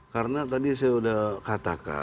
karena tadi saya sudah katakan